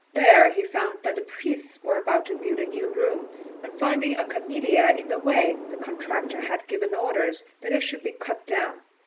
There he found that the priests were about to build a new room; and finding a camellia in the way, the contractor had given orders that it should be cut down.